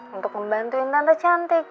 untuk membantuin tante cantik